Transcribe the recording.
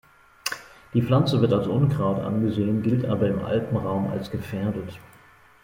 Die Pflanze wird als „Unkraut“ angesehen, gilt aber im Alpenraum als gefährdet.